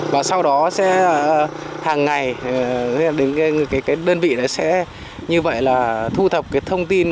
và sau đó sẽ hàng ngày cái đơn vị nó sẽ như vậy là thu thập cái thông tin